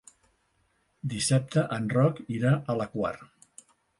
Dissabte en Roc irà a la Quar.